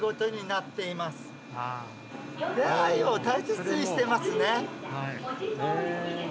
出会いを大切にしてますね。